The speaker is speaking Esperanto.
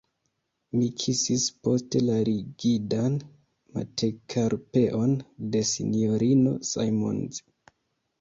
Mi kisis poste la rigidan metakarpeon de S-ino Simons.